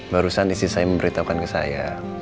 barusan istri saya memberitahukan ke saya